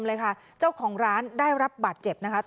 เลยค่ะเจ้าของร้านได้รับบาดเจ็บนะคะ